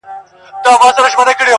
اوس چي راسي خو په څنګ را نه تېرېږي,